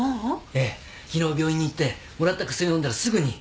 ええ昨日病院に行ってもらった薬飲んだらすぐに。